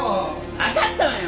わかったわよ！